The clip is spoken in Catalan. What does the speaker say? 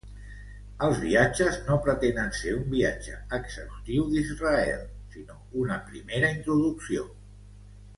Els viatges no pretenen ser un viatge exhaustiu d'Israel, sinó una primera introducció.